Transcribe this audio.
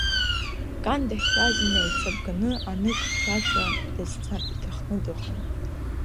Кан дахьтәаз инаиҵабганы анышә хьшәашәа дазцар иҭахны дыҟан.